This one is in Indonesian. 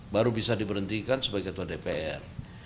baru bisa diberhentikan sebagai ketua dpr